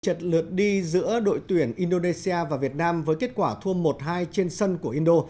trật lượt đi giữa đội tuyển indonesia và việt nam với kết quả thua một hai trên sân của indo